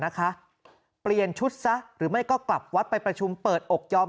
นะคะเปลี่ยนชุดซะหรือไม่ก็กลับวัดไปประชุมเปิดอกยอม